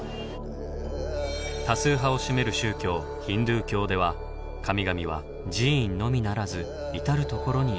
多数派を占める宗教ヒンドゥー教では神々は寺院のみならず至る所にいるんです。